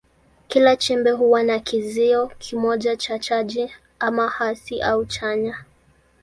Kila chembe huwa na kizio kimoja cha chaji, ama hasi au chanya.